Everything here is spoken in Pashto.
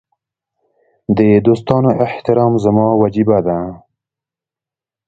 د دوستانو احترام زما وجیبه ده.